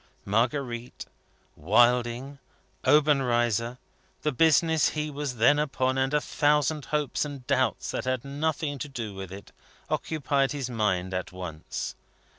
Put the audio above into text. Marguerite, Wilding, Obenreizer, the business he was then upon, and a thousand hopes and doubts that had nothing to do with it, occupied his mind at once.